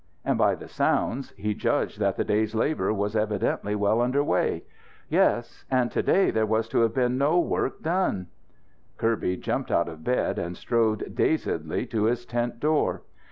And by the sounds he judged that the day's labour was evidently well under way. Yes, and to day there was to have been no work done! Kirby jumped out of bed and strode dazedly to his tent door.